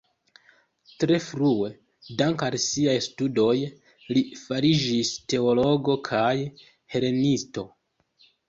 Tre frue, dank'al siaj studoj, li fariĝis teologo kaj helenisto.